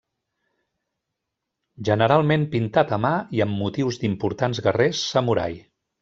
Generalment pintat a mà i amb motius d'importants guerrers samurai.